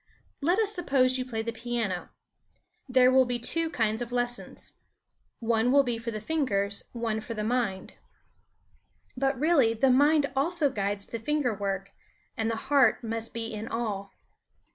Let us suppose you play the piano. There will be two kinds of lessons one will be for the fingers, one for the mind. But really the mind also guides the finger work; and the heart must be in all.